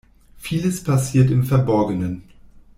Vieles passiert im Verborgenen.